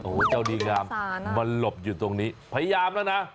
โอ้โหเจ้าดีงามมันหลบอยู่ตรงนี้พยายามแล้วนะ